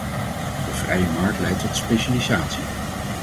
De vrije markt leidt tot specialisatie.